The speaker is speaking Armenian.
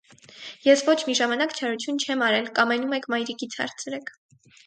- Ես ոչ մի ժամանակ չարություն չեմ արել, կամենում եք մայրիկից հարցրեք: